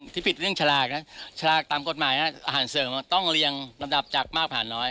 ที่ผิดเรื่องฉลากนะฉลากตามกฎหมายอาหารเสริมมันต้องเรียงลำดับจากมากผ่านน้อย